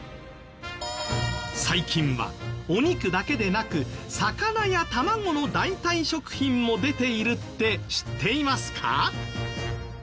最近はお肉だけでなく魚や卵の代替食品も出ているって知っていますか？